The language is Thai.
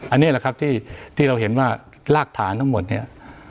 อันนี้แหละครับที่เราเห็นว่ารากฐานทั้งหมดเนี่ย